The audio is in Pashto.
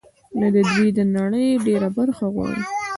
نو دوی د نړۍ ډېره برخه غواړي